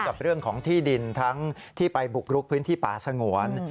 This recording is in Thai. กับเรื่องของที่ดินทั้งที่ไปบุกรุกพื้นที่ป่าสงวน